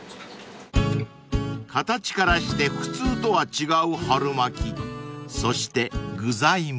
［形からして普通とは違う春巻きそして具材も］